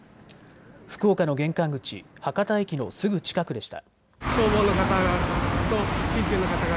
福岡の玄関口、博多駅のすぐ近くでした。